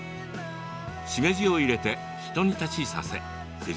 しめじを入れて、ひと煮立ちさせ九条